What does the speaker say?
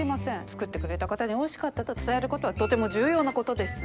作ってくれた方に美味しかったと伝えることはとても重要なことです。